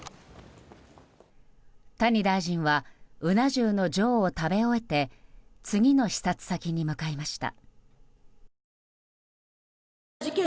谷大臣はうな重の上を食べ終えて次の視察先に向かいました。